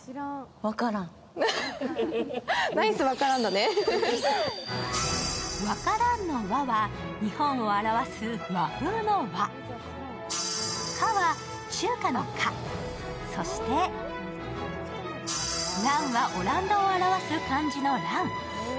「わからん」の和は日本を表す和風の和、華は中華の華、そして蘭はオランダを表す漢字の蘭。